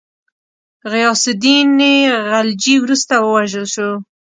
غیاث االدین خلجي وروسته ووژل شو.